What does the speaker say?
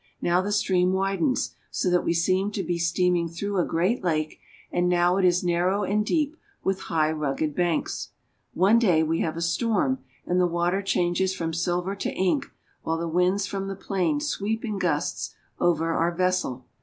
Now the stream widens, so that we seem to be steaming through a great lake, and now it is narrow and deep with high rugged banks. One day we have a storm and the water changes from silver to ink, while the winds from the plain sweep in gusts over our vessel.